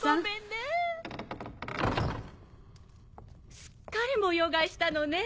すっかり模様替えしたのね。